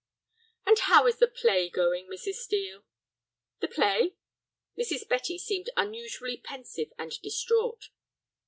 "And how is the play going, Mrs. Steel?" "The play?" Mrs. Betty seemed unusually pensive and distraught.